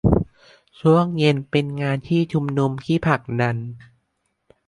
ช่วงเย็นเป็นงานที่ชุมชนที่ผลักดัน